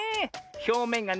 ひょうめんがね